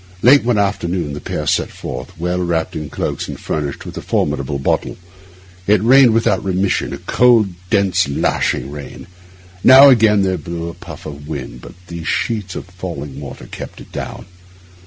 Late one afternoon the pair set forth, well wrapped in cloaks and furnished with a formidable bottle. It rained without remission—a cold, dense, lashing rain. Now and again there blew a puff of wind, but these sheets of falling water kept it down.